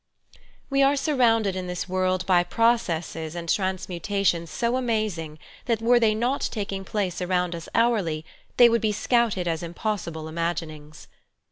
WE are surrounded in this world by pro cesses and transmutations so amazing that were they not taking place around us hourly they would be scouted as impossible imaginings.